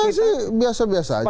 menurut saya sih biasa biasanya